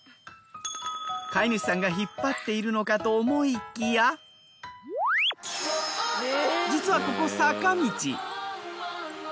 飼い主さんが引っ張っているのかと思いきや実はここ坂道。